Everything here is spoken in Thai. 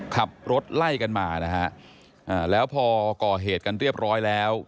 ขับรถไล่กันมานะฮะอ่าแล้วพอก่อเหตุกันเรียบร้อยแล้ว